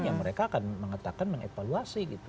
ya mereka akan mengatakan mengevaluasi gitu